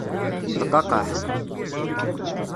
D qaqqaḥ!